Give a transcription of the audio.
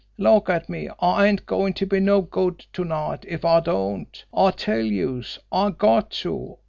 Look at me! I ain't goin' to be no good to night if I don't. I tell youse, I got to!